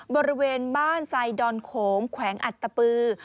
บริเวณบ้านไซดอนโขงแขวงอัตตปือ